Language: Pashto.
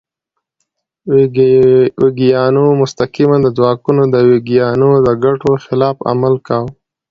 ویګیانو مستقیماً د ځواکمنو ویګیانو د ګټو خلاف عمل کاوه.